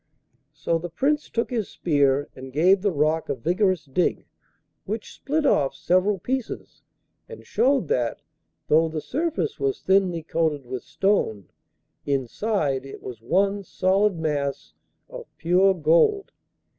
So the Prince took his spear and gave the rock a vigorous dig, which split off several pieces, and showed that, though the surface was thinly coated with stone, inside it was one solid mass of pure gold.